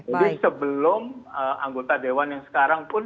jadi sebelum anggota dewan yang sekarang pun